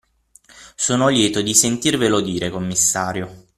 Sono lieto di sentirvelo dire, commissario.